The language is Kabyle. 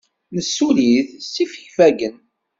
Nessuli-t s yifegfagen.